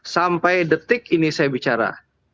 sampai detik ini saya bicara